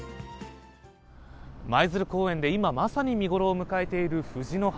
舞鶴公園で今まさに見頃を迎えている藤の花。